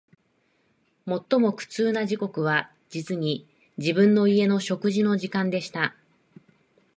最も苦痛な時刻は、実に、自分の家の食事の時間でした